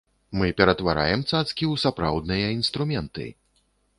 Мы ператвараем цацкі ў сапраўдныя інструменты!